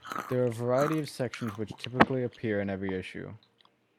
There are a variety of sections which typically appear in every issue.